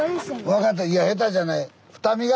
分かったいや下手じゃない。